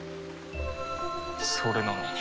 それなのに。